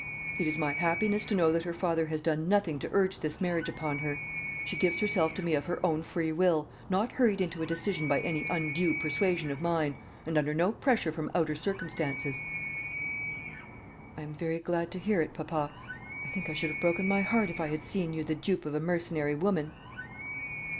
It is my happiness to know that her father has done nothing to urge this marriage upon her. She gives herself to me of her own free will, not hurried into a decision by any undue persuasion of mine, and under no pressure from outer circumstances." "I am very glad to hear it, papa. I think I should have broken my heart, if I had seen you the dupe of a mercenary woman."